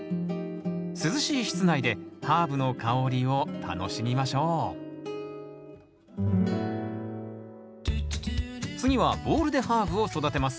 涼しい室内でハーブの香りを楽しみましょう次はボウルでハーブを育てます。